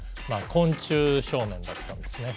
昆虫少年だったんですね。